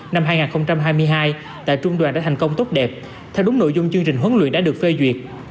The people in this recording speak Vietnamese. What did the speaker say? năm hai nghìn hai mươi hai tại trung đoàn đã thành công tốt đẹp theo đúng nội dung chương trình huấn luyện đã được phê duyệt